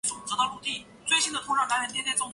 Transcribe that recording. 她的作品曾多次在日本获奖并深受好评。